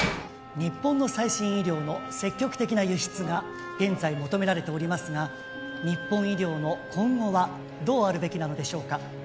「日本の最新医療の積極的な輸出が現在求められておりますが日本医療の今後はどうあるべきなのでしょうか？」